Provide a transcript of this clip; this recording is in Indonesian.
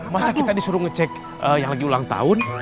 masa kita disuruh ngecek yang lagi ulang tahun